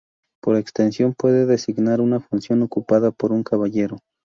Por extensión, puede designar una función ocupada por un caballero.